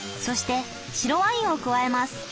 そして白ワインを加えます。